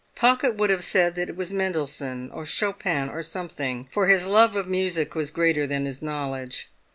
Pocket would have said that it was Mendelssohn, or Chopin, "or something," for his love of music was greater than his knowledge.